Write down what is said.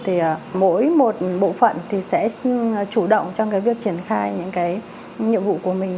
thì mỗi một bộ phận thì sẽ chủ động trong cái việc triển khai những cái nhiệm vụ của mình